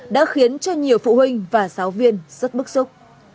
đã khiến cho nhiều phụ huynh và giáo viên rất bức xúc